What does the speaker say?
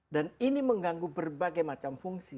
dan ini mengganggu berbagai macam fungsi